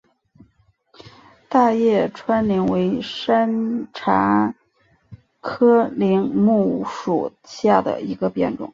大叶川柃为山茶科柃木属下的一个变种。